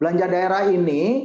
belanja daerah ini